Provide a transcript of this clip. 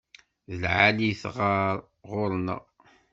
D lεali-t ɣer ɣur-neɣ.